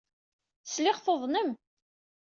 Sliɣ tuḍnem.